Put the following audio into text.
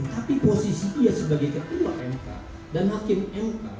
tapi posisi dia sebagai ketua mk dan hakim mk